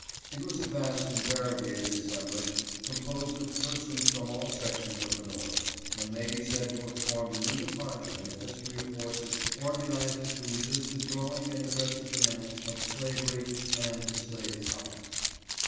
It was a vast and variegated assemblage, composed of persons from all sections of the North, and may be said to have formed a new departure in the history of forces organized to resist the growing and aggressive demands of slavery and the slave power.